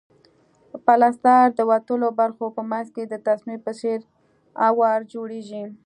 پلستر د وتلو برخو په منځ کې د تسمې په څېر اوار جوړیږي.